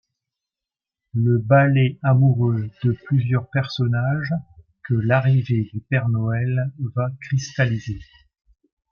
Le ballet amoureux de plusieurs personnages, que l'arrivée du père Noël va cristalliser.